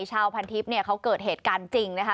ชาวพันธิบเขาเกิดเหตุการณ์จริงนะคะ